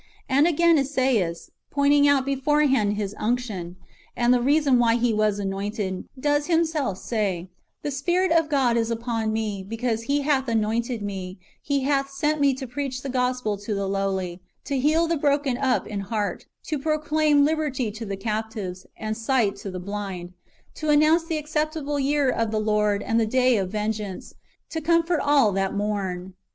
^ And again Esaias, pointing out beforehand His unction, and the reason why he was anointed, does himself say, " The Spirit of God is upon me, because He hath anointed me : He hath sent me to preach the gospel to the lowly, to heal the broken up in heart, to proclaim liberty to the captives, and sight to the blind ; to announce the acceptable year of the Lord, and the day of vengeance ; to comfort all that mourn."